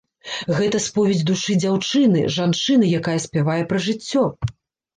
Гэта споведзь душы дзяўчыны, жанчыны, якая спявае пра жыццё.